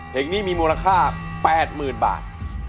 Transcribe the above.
เพลงนี้มีมูลค่า๘๐๐๐บาท